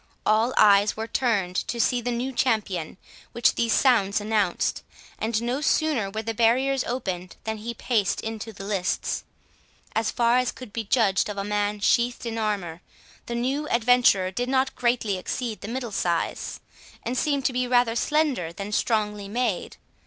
All eyes were turned to see the new champion which these sounds announced, and no sooner were the barriers opened than he paced into the lists. As far as could be judged of a man sheathed in armour, the new adventurer did not greatly exceed the middle size, and seemed to be rather slender than strongly made.